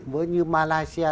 với như malaysia